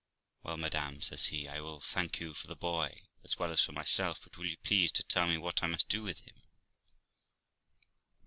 ' Well, madam ', says he, ' I will thank you for the boy, as well as for myself; but will you please to tell me what I must do with him?'